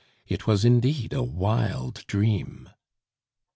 It was indeed a wild dream!